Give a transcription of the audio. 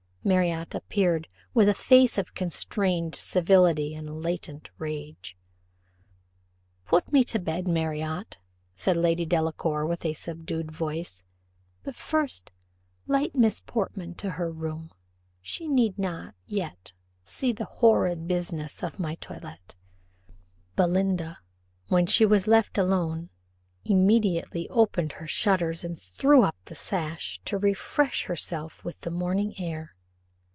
Marriott appeared with a face of constrained civility and latent rage. "Put me to bed, Marriott," said Lady Delacour, with a subdued voice; "but first light Miss Portman to her room she need not yet see the horrid business of my toilette." Belinda, when she was left alone, immediately opened her shutters, and threw up the sash, to refresh herself with the morning air.